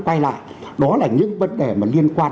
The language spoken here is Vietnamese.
quay lại đó là những vấn đề mà liên quan